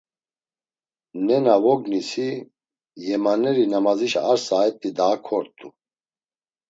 Nena vognisi, yemaneri namazişa ar saet̆i daa kort̆u.